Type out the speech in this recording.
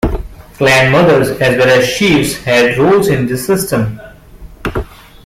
Clan mothers as well as chiefs had roles in this system.